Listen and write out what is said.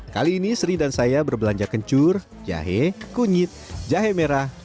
kali ini sri dan saya berbelanja kencur jahe kunyit jahe merah